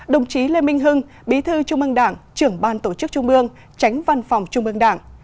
đồng chí lê minh hưng bí thư trung ương đảng trưởng ban tổ chức trung ương tránh văn phòng trung ương đảng